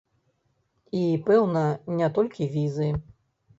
І, пэўна, не толькі візы.